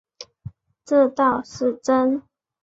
这倒是真